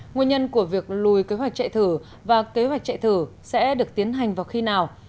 nguyên nhân của việc lùi kế hoạch chạy thử và kế hoạch chạy thử sẽ được tiến hành vào khi nào